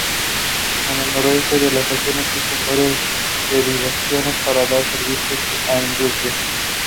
She was special.